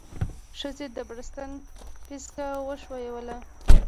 ښځې د بړستن پيڅکه وښويوله.